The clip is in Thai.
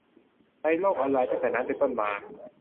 ในโลกออนไลน์ตั้งแต่นั้นเป็นต้นมา